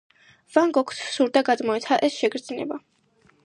ვან გოგს სურდა გადმოეცა ეს შეგრძნება.